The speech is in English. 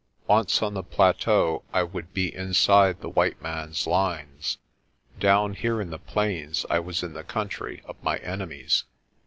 Once on the plateau I would be inside the white man's lines. Down here in the plains I was in the country of my enemies.